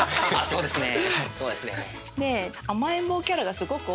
「そうですね」